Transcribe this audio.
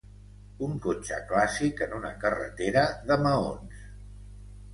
Un cotxe clàssic en una carretera de maons